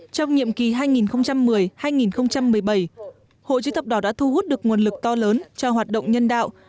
trong nhiệm kỳ hai nghìn một mươi hai nghìn một mươi bảy hội chữ thập đỏ đã thu hút được nguồn lực to lớn cho hoạt động nhân đạo